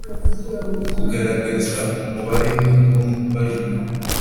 -kugaragaza umubare w’ingombajwi